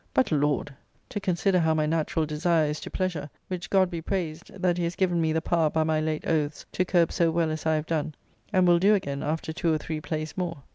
But, Lord! to consider how my natural desire is to pleasure, which God be praised that he has given me the power by my late oaths to curb so well as I have done, and will do again after two or three plays more.